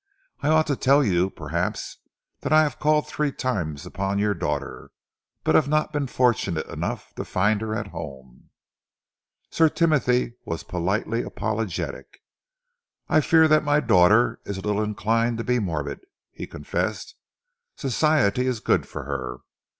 "I ought to tell you, perhaps, that I have called three times upon your daughter but have not been fortunate enough to find her at home." Sir Timothy was politely apologetic. "I fear that my daughter is a little inclined to be morbid," he confessed. "Society is good for her.